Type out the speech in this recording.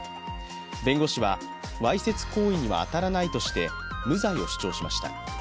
弁護士は、わいせつ行為には当たらないとして無罪を主張しました。